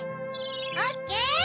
オッケー！